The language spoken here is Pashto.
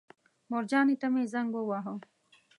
مورجانې ته مې زنګ وواهه.